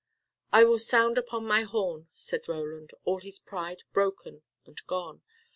"I will sound upon my horn," said Roland, all his pride broken and gone.